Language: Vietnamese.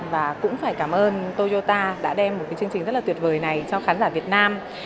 và cũng phải cảm ơn toyota đã đem một cái chương trình rất là tuyệt vời này cho khán giả việt nam